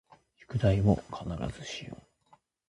宿題を必ずしよう